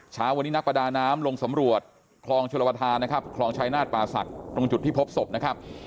ช้าวันนี้นักประดาน้ำลงสำรวจคลองชุลวัทธาคลองชายนาฏปลาสัตว์ตรงจุดที่พบศพนะครับ